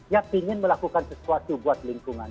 yang ingin melakukan sesuatu buat lingkungan